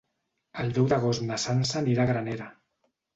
El deu d'agost na Sança anirà a Granera.